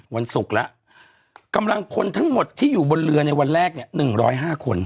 วันศุกร์แล้วกำลังคนทั้งหมดที่อยู่บนเรือในวันแรกเนี่ย๑๐๕คน